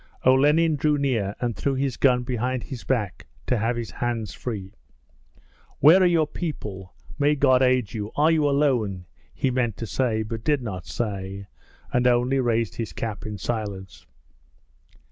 Olenin drew near and threw his gun behind his back to have his hands free. 'Where are your people? May God aid you! Are you alone?' he meant to say but did not say, and only raised his cap in silence.